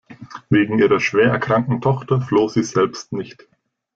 Wegen ihrer schwer erkrankten Tochter floh sie selbst nicht.